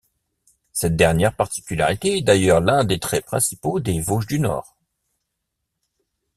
Cette dernière particularité est d'ailleurs un des traits principaux des Vosges du Nord.